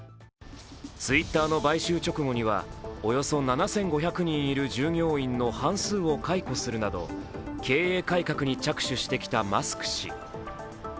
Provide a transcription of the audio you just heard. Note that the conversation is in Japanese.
Ｔｗｉｔｔｅｒの買収直後にはおよそ７５００人いる従業員の半数を解雇するなど経営改革に着手してきたマスク氏。